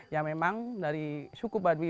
ya memang dari suku baduy